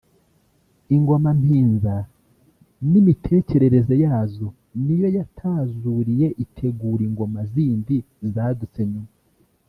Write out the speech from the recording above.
Ingoma Mpinza n’imitekerereze yazo niyo yatazuriye itegura Ingoma zindi zadutse nyuma